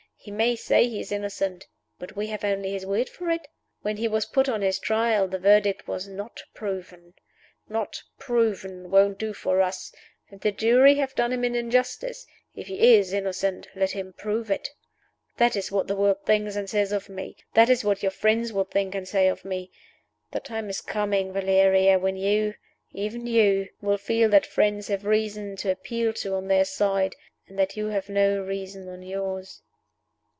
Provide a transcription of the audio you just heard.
He may say he is innocent; but we have only his word for it. When he was put on his Trial, the Verdict was Not Proven. Not Proven won't do for us. If the jury have done him an injustice if he is innocent let him prove it.' That is what the world thinks and says of me. That is what your friends will think and say of me. The time is coming, Valeria, when you even You will feel that your friends have reason to appeal to on their side, and that you have no reason on yours."